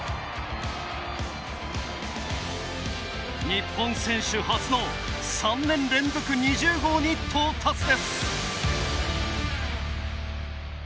日本選手初の３年連続２０号に到達です。